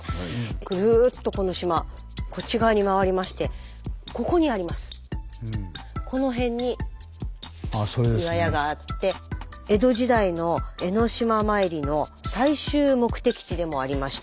ぐるっとこの島こっち側に回りましてこの辺に岩屋があって江戸時代の江の島参りの最終目的地でもありまして